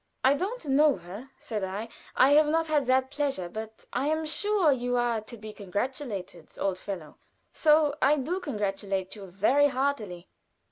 "I don't know her," said I, "I have not that pleasure, but I am sure you are to be congratulated, old fellow so I do congratulate you very heartily."